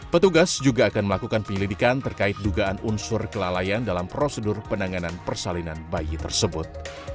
petugas juga akan melakukan penyelidikan terkait dugaan unsur kelalaian dalam prosedur penanganan persalinan bayi tersebut